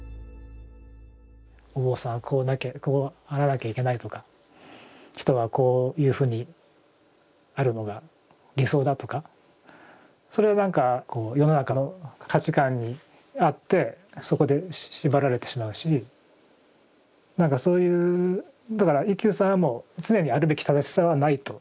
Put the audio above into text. お坊さんはこうあらなきゃいけないとか人はこういうふうにあるのが理想だとかそれなんかこう世の中の価値観にあってそこで縛られてしまうしなんかそういうだから一休さんはもう常にあるべき正しさはないと。